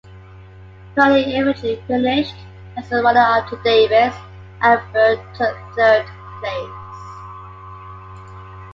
Purdy eventually finished as a runner-up to Davis, and Bure took third place.